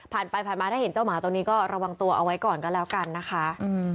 ผ่านไปผ่านมาถ้าเห็นเจ้าหมาตัวนี้ก็ระวังตัวเอาไว้ก่อนก็แล้วกันนะคะ